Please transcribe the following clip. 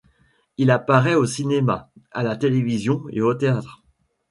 Il apparaît au cinéma, à la télévision et au théâtre.